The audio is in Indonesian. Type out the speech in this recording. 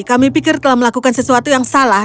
kami pikir telah melakukan sesuatu yang salah